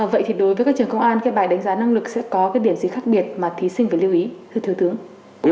vậy thì đối với các trường công an bài thi đánh giá năng lực sẽ có điểm gì khác biệt mà thí sinh phải lưu ý